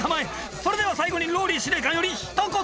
それでは最後にＲＯＬＬＹ司令官よりひと言！